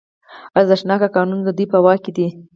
ارزښتناک کانونه د دوی په واک کې دي